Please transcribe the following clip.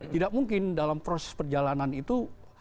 tidak mungkin dalam proses perjalanan itu